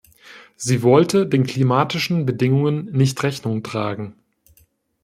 Sie wollte den klimatischen Bedingungen nicht Rechnung tragen.